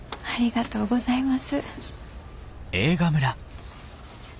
はい。